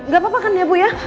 gak apa apa kan ya bu ya